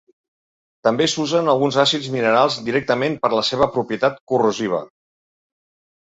També s'usen alguns àcids minerals directament per la seva propietat corrosiva.